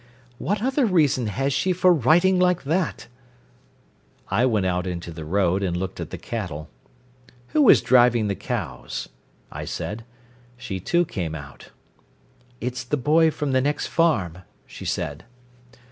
"What other reason has she for writing like that ?" I went out into the road and looked at the cattle. "Who is this driving the cows?" I said. She too came out. "It's the boy from the next farm," she said.